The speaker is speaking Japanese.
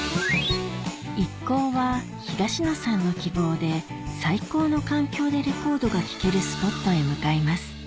一行は東野さんの希望で最高の環境でレコードが聴けるスポットへ向かいます